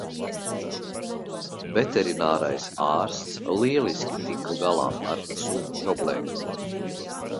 Veterinārais ārsts lieliski tika galā ar suņa problēmu